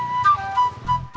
apa kabar jun